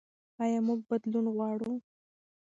ایا موږ بدلون غواړو؟